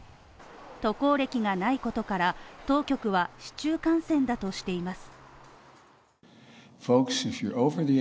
渡航歴がないことから、当局は市中感染だとしています。